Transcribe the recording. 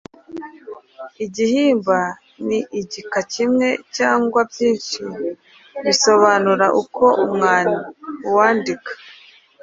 Igihimba: Ni igika kimwe cyangwa byinshi bisobanura uko uwandika